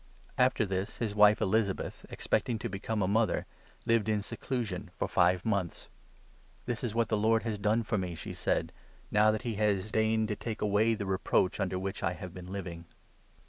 After this his wife, Elizabeth, expecting to become a mother, 24 lived in seclusion for five months. "This is what the Lord has done for me," she said, " now 25 that he has deigned to take away the reproach under which I have been living."